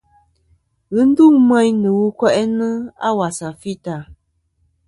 Ghɨ ndu meyn nɨ̀ wul ɨ ko'inɨ a wasà fità.